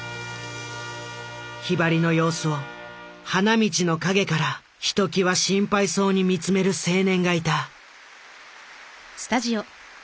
ひばりの様子を花道の陰からひときわ心配そうに見つめる青年がいた。